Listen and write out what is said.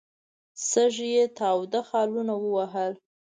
سږ یې تاوده خالونه ووهل.